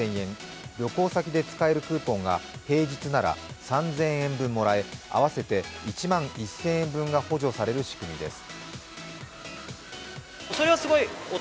旅行先で使えるクーポンが平日なら３０００円分がもらえ合わせて１万１０００円分が補助される仕組みです。